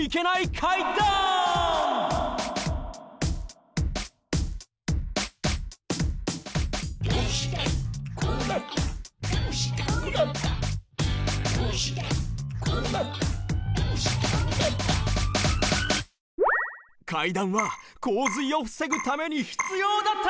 階段は洪水を防ぐためにひつようだった！